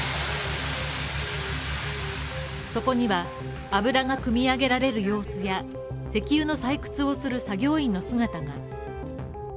そこには油がくみ上げられる様子や石油の採掘をする作業員の姿が。